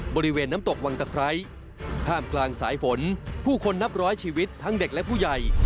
บริเวณน้ำตกวังตะไคร้ท่ามกลางสายฝนผู้คนนับร้อยชีวิตทั้งเด็กและผู้ใหญ่